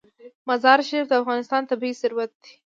مزارشریف د افغانستان طبعي ثروت دی.